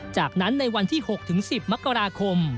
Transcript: จากนั้นในวันที่๖๑๐มกราคม